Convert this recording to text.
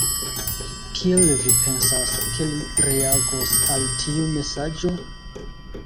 Kiel vi pensas, ke li reagos al tiu mesaĝo?